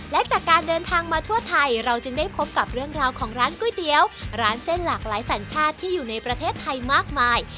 และจากการเดินทางมาทั่วไทยเราจึงได้พบกับเรื่องราวของร้านก๋วยเตี๋ยวร้านเส้นหลากหลายสัญชาติที่อยู่ในประเทศไทยมากมาย